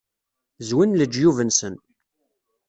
Zwin leǧyub-nnsen.